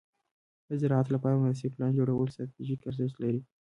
د زراعت لپاره مناسب پلان جوړول ستراتیژیک ارزښت لري.